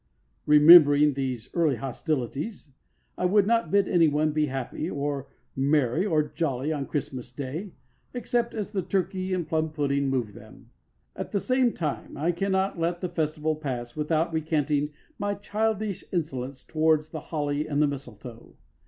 Remembering these early hostilities, I will not bid anyone be happy or merry or jolly on Christmas Day, except as the turkey and plum pudding move them. At the same time, I cannot let the festival pass without recanting my childish insolence towards the holly and the mistletoe.